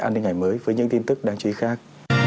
an ninh ngày mới với những tin tức đáng chú ý khác